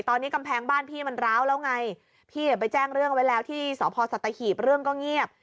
ตอนนี้กำแพงบ้านพี่มันร้าวแล้วไงพี่ไปแจ้งเรื่องไว้แล้วที่สพสัตหีบเรื่องก็เงียบ